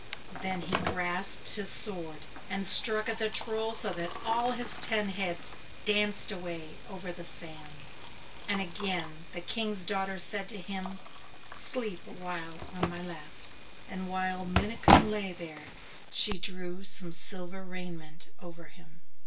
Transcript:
Then he grasped his sword and struck at the Troll, so that all his ten heads danced away over the sands. And again the King's daughter said to him, 'Sleep a while on my lap,' and while Minnikin lay there she drew some silver raiment over him.